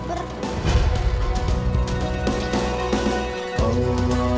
kenapa gak makan